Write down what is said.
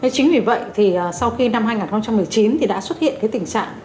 chính vì vậy thì sau khi năm hai nghìn một mươi chín thì đã xuất hiện tình trạng